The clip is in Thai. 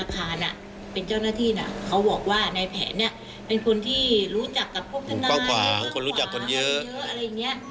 ของคนรู้จักคนเยอะ